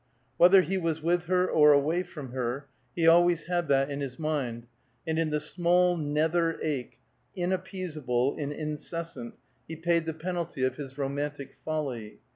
Whether he was with her or away from her, he always had that in his mind, and in the small nether ache, inappeasable and incessant, he paid the penalty of his romantic folly.